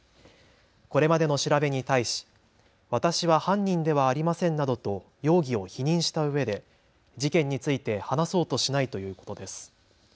これまでの調べに対し私は犯人ではありませんなどと容疑を否認したうえで事件について話そうとしないということです。